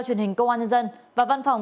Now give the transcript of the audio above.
truyền hình công an nhân dân và văn phòng